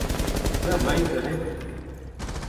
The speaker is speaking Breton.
Pelec'h emaint neuze ?